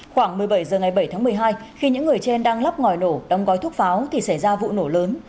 khoảng một mươi bảy h ngày bảy tháng một mươi hai khi những người trên đang lắp ngòi nổ đóng gói thuốc pháo thì xảy ra vụ nổ lớn